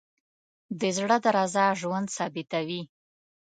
د زړه درزا ژوند ثابتوي.